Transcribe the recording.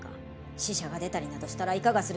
死者が出たりなどしたらいかがするつもりじゃ！